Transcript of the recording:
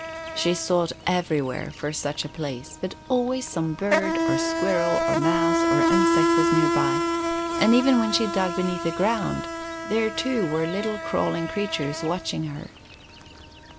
She sought everywhere for such a place, but always some bird or squirrel or mouse or insect was near by, and even when she dug beneath the ground, there too were little crawling creatures watching her.